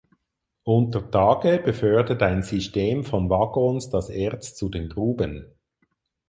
Unter Tage beförderte ein System von Waggons das Erz zu den Gruben.